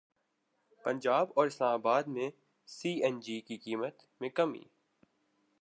پنجاب اور اسلام اباد میں C N G کی قیمت میں کمی